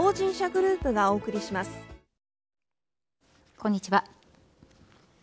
こんにちは。